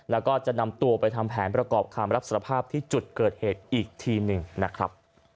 แล้วก็จะนำตัวไปทำแผนประกอบคำรับสารภาพที่จุดเกิดเหตุอีกทีหนึ่งนะครับ